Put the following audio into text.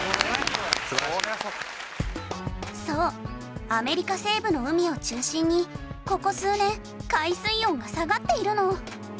そうアメリカ西部の海を中心にここ数年海水温が下がっているの。